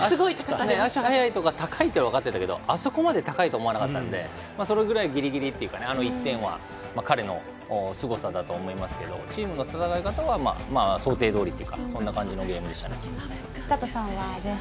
足速いとか高いのは分かっていたけどあそこまで高いとは思わなかったんでそれぐらいギリギリというかあの１点は彼のすごさだと思いますがチームの戦い方は、想定どおりの展開のゲームでしたね。